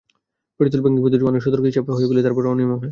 প্রচলিত ব্যাংকিং পদ্ধতিতে অনেক সতর্ক হয়ে হিসাব খুলি, তারপরও অনিয়ম হয়।